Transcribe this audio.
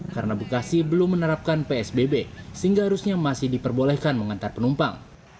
karena bekasi belum menerapkan psbb sehingga harusnya masih diperbolehkan mengantar penumpang